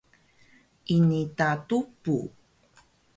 ini ta tubu